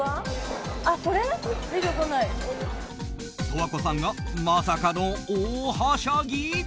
十和子さんがまさかの大はしゃぎ！